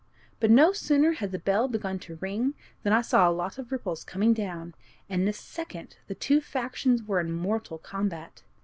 But no sooner had the bell begun to ring, than I saw a lot of ripples coming down, and in a second the two factions were in mortal combat.